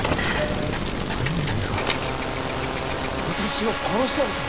兄上が私を殺そうと？